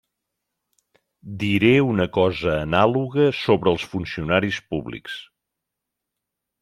Diré una cosa anàloga sobre els funcionaris públics.